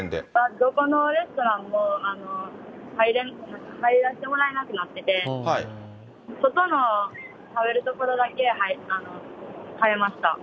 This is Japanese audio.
どこのレストランも入らしてもらえなくなってて、外の食べる所だけ入れました。